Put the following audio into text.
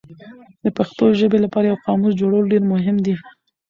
د پښتو ژبې لپاره یو قاموس جوړول ډېر مهم دي.